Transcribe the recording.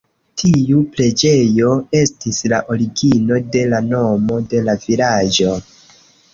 Tiu preĝejo estis la origino de la nomo de la vilaĝo.